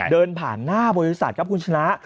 เดินผ่านหน้าบริษัทครับคุณชนะ